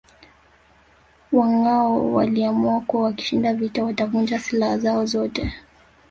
Wangâhoo waliamua kuwa wakishinda vita watavunja silaha zao zote